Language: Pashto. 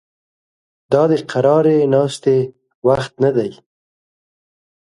دا د قرارې ناستې وخت نه دی